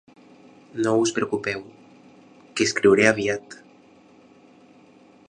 No us preocupeu, que escriuré aviat.